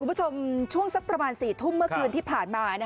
คุณผู้ชมช่วงสักประมาณ๔ทุ่มเมื่อคืนที่ผ่านมา